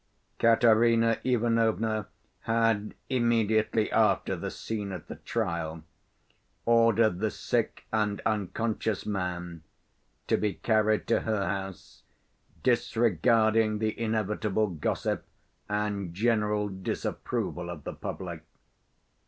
Katerina Ivanovna had immediately after the scene at the trial ordered the sick and unconscious man to be carried to her house, disregarding the inevitable gossip and general disapproval of the public.